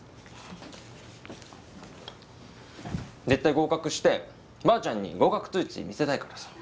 絶対合格してばあちゃんに合格通知見せたいからさ。